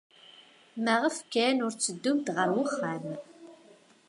Maɣef kan ur tetteddumt ɣer wexxam?